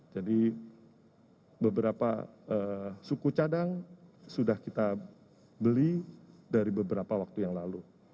beberapa suku cadang sudah kita beli dari beberapa waktu yang lalu